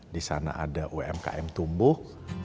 di sana ada umkm tumbuh